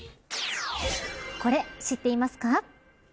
これ、知ってますか。